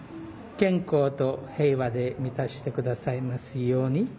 健康と平和で満たして下さいますように。